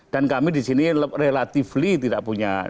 dan kami di sini relatifly tidak punya